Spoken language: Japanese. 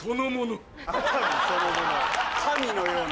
神のような。